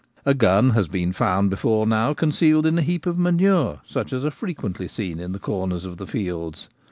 A gun has been found before now concealed in a heap of manure, such as are frequently seen in the corners of the fields.